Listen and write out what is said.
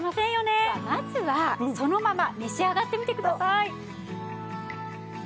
ではまずはそのまま召し上がってみてください。